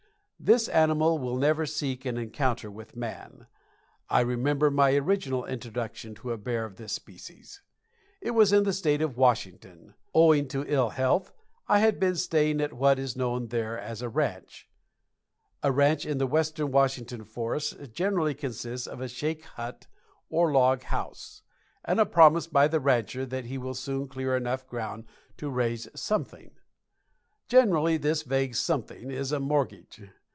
This animal will never seek an encounter with man. I remember my original introduction to a bear of this species. It was in the state of Washington. Owing to ill health I had been staying at what is known there as a ranch. A ranch in the western Washington forests generally consists of a shake hut or log house, and a promise by the "rancher" that he will soon clear enough ground to raise something. Generally this vague something is a mortgage.